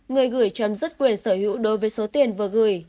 người gửi chấm dứt quyền sở hữu đối với số tiền vừa gửi